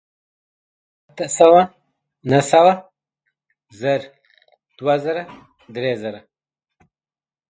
اتۀ سوه نهه سوه زر دوه زره درې زره